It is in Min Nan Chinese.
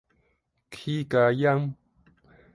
起交陰